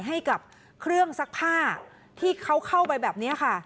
ให้กับเครื่องซักผ้าที่เขาเข้าไปแบบนี้ค่ะ